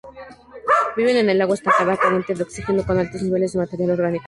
Viven en el agua estancada, carente de oxígeno, con altos niveles de material orgánico.